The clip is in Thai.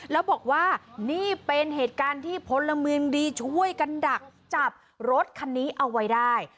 แล้วบอกว่านี่เป็นเหตุการณ์ที่พลเมืองดีช่วยกันดักจับรถคันนี้เอาไว้ได้